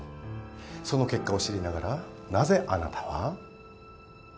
その結果を知りながらなぜあなたは？